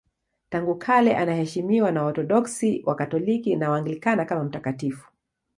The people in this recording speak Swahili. Tangu kale anaheshimiwa na Waorthodoksi, Wakatoliki na Waanglikana kama mtakatifu.